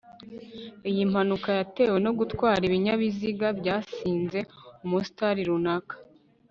iyi mpanuka yatewe no gutwara ibinyabiziga byasinze umustar runaka